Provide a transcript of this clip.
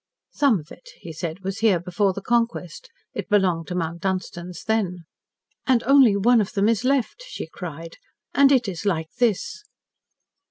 "Some of it," he said, "was here before the Conquest. It belonged to Mount Dunstans then." "And only one of them is left," she cried, "and it is like this!"